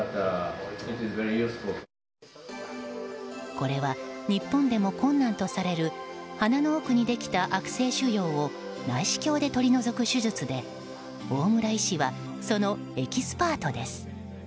これは、日本でも困難とされる鼻の奥にできた悪性腫瘍を内視鏡で取り除く手術で大村医師はそのエキスパートです。